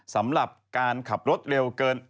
สำหรับการขับรถเร็วเกิน